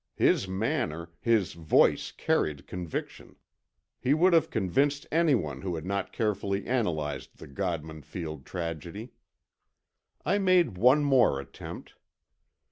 His manner, his voice carried conviction. He would have convinced anyone who had not carefully analyzed the Godman Field tragedy. I made one more attempt.